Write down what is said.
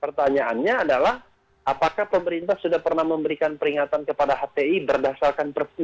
pertanyaannya adalah apakah pemerintah sudah pernah memberikan peringatan kepada hti berdasarkan perpu